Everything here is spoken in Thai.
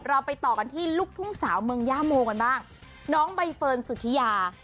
เราไปต่อกันที่ลูกทุ่งสาวเมืองย่าโมกันบ้างน้องใบเฟิร์นสุธิยา